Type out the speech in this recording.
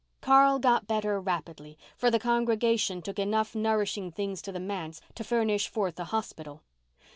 Carl got better rapidly, for the congregation took enough nourishing things to the manse to furnish forth a hospital.